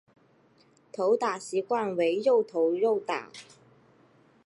投打习惯为右投右打。